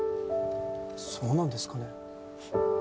そうなんですかね。